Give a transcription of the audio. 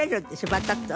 バタッと。